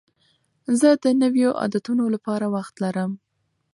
زه د نویو عادتونو لپاره وخت لرم.